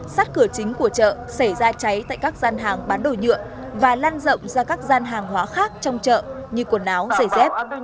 sát cửa chính của chợ xảy ra cháy tại các gian hàng bán đồ nhựa và lan rộng ra các gian hàng hóa khác trong chợ như quần áo giày dép